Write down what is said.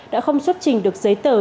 đã không xuất trình được giấy tờ